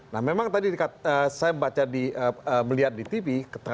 nah memang tadi saya melihat di tv